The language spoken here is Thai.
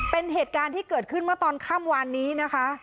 เป็นเหตุการณ์ที่เกิดขึ้นเมื่อตอนค่ำวานนี้นะคะ